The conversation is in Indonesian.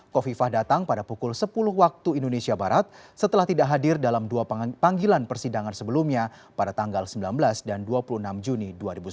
kofifah datang pada pukul sepuluh waktu indonesia barat setelah tidak hadir dalam dua panggilan persidangan sebelumnya pada tanggal sembilan belas dan dua puluh enam juni dua ribu sembilan belas